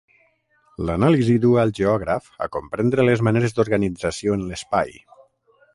L'anàlisi duu al geògraf a comprendre les maneres d'organització en l'espai.